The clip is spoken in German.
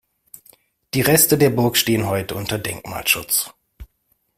Die Reste der Burg stehen heute unter Denkmalschutz.